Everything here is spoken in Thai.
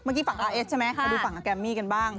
เมื่อกี้ฝั่งอาร์เอสใช่ไหมมาดูฝั่งอาแกมมี่กันบ้าง